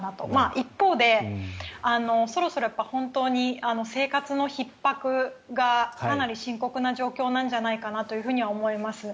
一方で、そろそろ本当に生活のひっ迫がかなり深刻な状況なんじゃないかなと思います。